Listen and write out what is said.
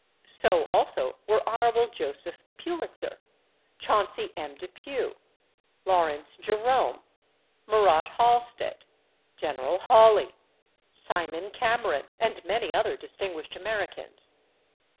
So also were Hon. Joseph Pulitzer, Chauncey M. Depew, Lawrence Jerome, Murat Halstead, General Hawley, Simon Cameron, and many other distinguished Americans.